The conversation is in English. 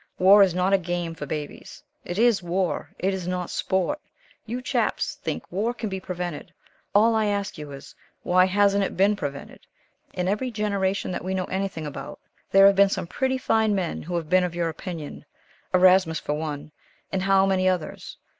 War is not a game for babies. It is war it is not sport. You chaps think war can be prevented. All I ask you is why hasn't it been prevented? In every generation that we know anything about there have been some pretty fine men who have been of your opinion Erasmus for one, and how many others?